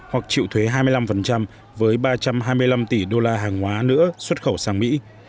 hoặc chịu thuế hai mươi năm với ba trăm hai mươi năm tỷ đô la hàng hóa nữa xuất khẩu sang mỹ